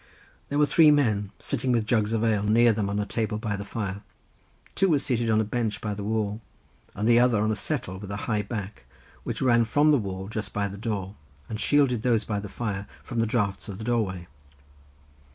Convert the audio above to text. There were three men, sitting with jugs of ale near them on a table by the fire, two were seated on a bench by the wall, and the other on a settle with a high back, which ran from the wall just by the door, and shielded those by the fire from the draughts of the doorway.